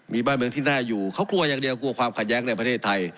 มีบ้านเมืองที่น่าอยู่เขากลัวอย่างเดียวกลัวความขัดแย้งในประเทศไทย